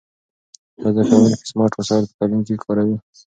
آیا زده کوونکي سمارټ وسایل په تعلیم کې کاروي؟